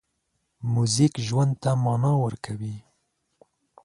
موزیک ژوند ته مانا ورکوي.